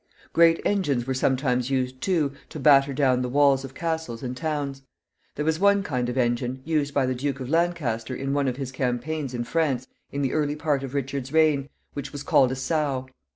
Great engines were sometimes used, too, to batter down the walls of castles and towns. There was one kind of engine, used by the Duke of Lancaster in one of his campaigns in France in the early part of Richard's reign, which was called a sow.